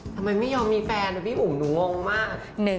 ทำไมไม่ยอมมีแฟนพี่อุ๋มหนูงงมาก